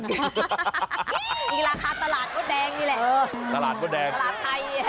อิงราคาตลาดม่วนแดงนี่แหละ